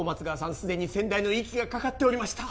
すでに先代の息がかかっておりました